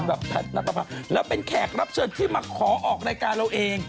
และเป็นแขกรับเชิดมาขอออกรายการเราเอง